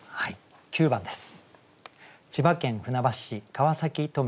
９番です。